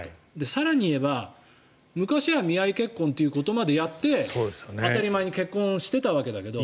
更に言えば昔は見合い結婚ということまでやって当たり前に結婚をしてたわけだけど。